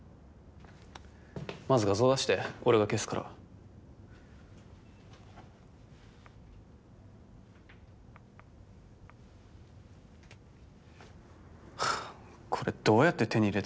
まず画像出して俺が消すからこれどうやって手に入れたの？